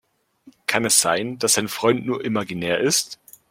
Kann es sein, dass dein Freund nur imaginär ist?